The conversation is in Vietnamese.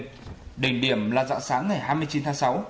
tuy nhiên đỉnh điểm là dạng sáng ngày hai mươi chín tháng sáu